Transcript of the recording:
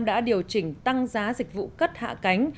đã điều chỉnh tăng giá dịch vụ cất hạ cánh